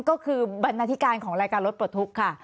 ก็คือบรรณาธิการของรายการรถปลดทุกข์ค่ะ